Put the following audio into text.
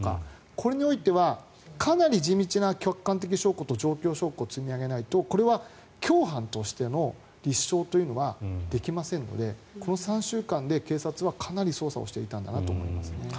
これにおいてはかなり地道な客観的証拠と状況証拠を積み上げないと共犯としての立証というのはできませんのでこの３週間で警察はかなり捜査をしていたんだと思います。